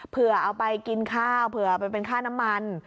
เผื่อเอาไปกินข้าวเผื่อไปเป็นค่าน้ำมัน